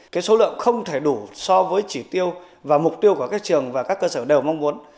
cái số lượng không thể đủ so với chỉ tiêu và mục tiêu của các trường và các cơ sở đều mong muốn